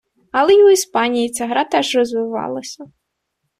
Але й у Іспанії ця гра теж розвивалася.